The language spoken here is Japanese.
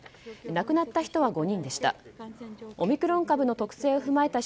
亡くなった人は５人でした。